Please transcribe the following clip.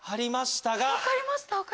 分かりました。